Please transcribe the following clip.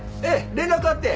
連絡あって。